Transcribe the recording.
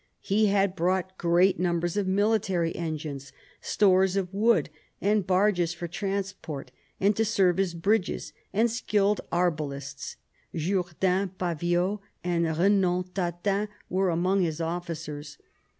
He had brought great numbers of military engines, stores of wood, and barges for transport and to serve as bridges, and skilled arbalists, Jourdain, Paviot, and Eenand Tatin, were among his officers.